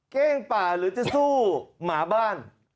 เก้งป่าหรือจะสู้หมาบ้าน